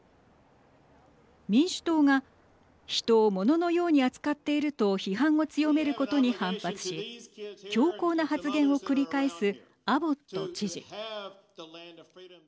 民主党が人をもののように扱っていると批判を強めることに反発し強硬な発言を繰り返すアボット知事。